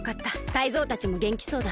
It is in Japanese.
タイゾウたちもげんきそうだ。